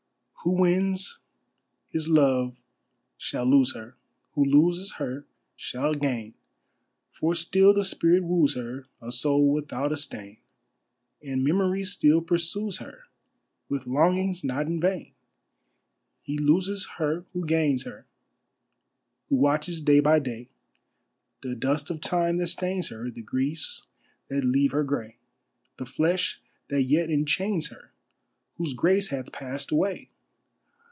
Who wins his Love shall lose her, Who loses her shall gain, For still the spirit woos her, A soul without a stain; And Memory still pursues her With longings not in vain! He loses her who gains her, Who watches day by day The dust of time that stains her, The griefs that leave her grey, The flesh that yet enchains her Whose grace hath passed away!